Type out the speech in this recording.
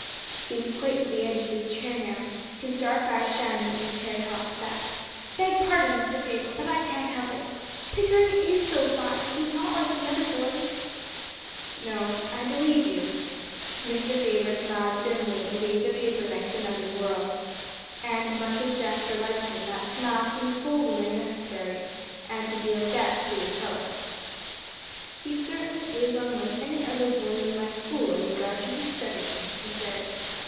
He was quite to the edge of his chair now, his dark eyes shining, and his hair tossed back. "Beg pardon, Mr. Faber, but I can't help it. Pickering is so fine; he's not like other boys." "No, I believe you." Mr. Faber smiled grimly and gave the paper knife another whirl. And much as Jasper liked him, that smile seemed wholly unnecessary, and to deal death to his hopes. "He certainly is unlike any other boy in my school in regard to his studying," he said.